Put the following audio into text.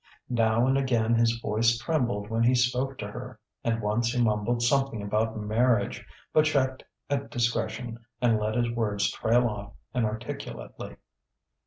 Now and again his voice trembled when he spoke to her, and once he mumbled something about marriage, but checked at discretion, and let his words trail off inarticulately.